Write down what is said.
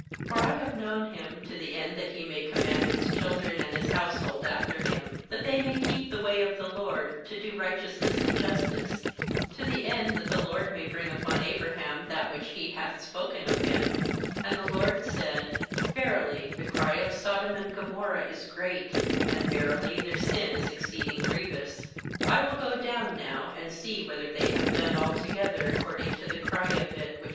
19For I have known him, to the end that he may command his children and his household after him, that they may keep the way of the LORD, to do righteousness and justice; to the end that the LORD may bring upon Abra ham that which He hath spoken of him/ 20And the LORD said: 'Verily, the cry of Sodom and Gomorrah is great, and, verily, their sin is exceed ing grievous. 21I will go down now, and see whether they have, done alto gether according to the cry of it, which 19 18.